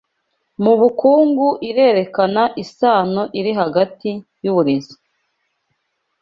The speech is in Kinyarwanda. mubukungu Irerekana isano iri hagati yuburezi